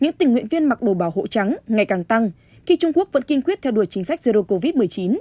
những tình nguyện viên mặc đồ bảo hộ trắng ngày càng tăng khi trung quốc vẫn kiên quyết theo đuổi chính sách zero covid một mươi chín